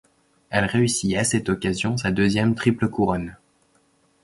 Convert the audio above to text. Elle réussit à cette occasion sa deuxième triple couronne.